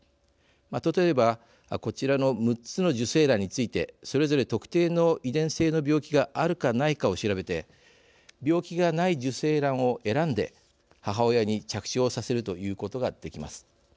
例えば、こちらの６つの受精卵についてそれぞれ特定の遺伝性の病気があるか、ないかを調べて病気がない受精卵を選んで母親に着床させるということができます。